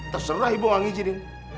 terserah ibu gak ngizinin